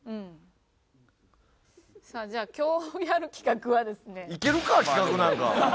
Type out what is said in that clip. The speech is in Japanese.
さあじゃあ今日やる企画はですね。